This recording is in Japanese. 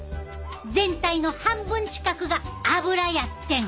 全体の半分近くが脂やってん。